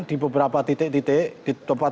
di beberapa titik titik di tempat